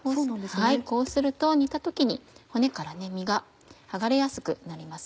こうすると煮た時に骨から身が剥がれやすくなります。